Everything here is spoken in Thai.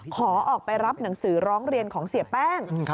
ขอออกไปรับหนังสือร้องเรียนของเสียแป้ง